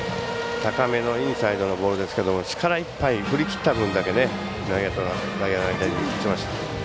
高めのインサイドのボールですけれど力いっぱい振り切った分だけ打てました。